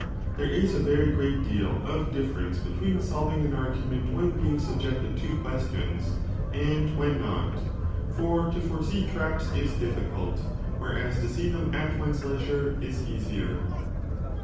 2 There is a very great deal of difference between solving an argument when being subjected to questions and when not : for to foresee traps is difficult, whereas to see them at one s leisure is easier.